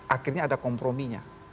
akhirnya ada komprominya